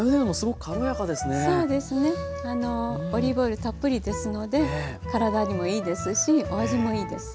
あのオリーブオイルたっぷりですので体にもいいですしお味もいいです。